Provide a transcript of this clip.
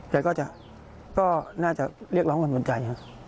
แต่ก็จะงั้นจะเรียกร้องก่อนใจค่ะ